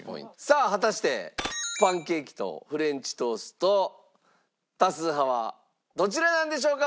さあ果たしてパンケーキとフレンチトースト多数派はどちらなんでしょうか？